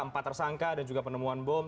empat tersangka dan juga penemuan bom